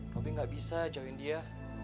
robby gak bisa jauhin dia